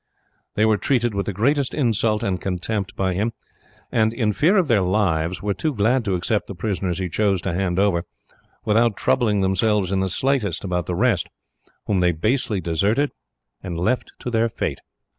They were treated with the greatest insult and contempt by him, and, in fear of their lives, were too glad to accept the prisoners he chose to hand over, without troubling themselves in the slightest about the rest, whom they basely deserted and left to their fate."